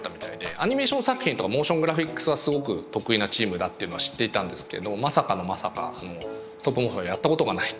アニメーション作品とかモーショングラフィックスはすごく得意なチームだっていうのは知っていたんですけどまさかのまさかストップモーションやったことがないっていう話で。